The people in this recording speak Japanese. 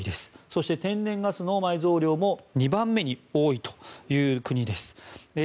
そして、天然ガスの埋蔵量も２番目に多いという国です。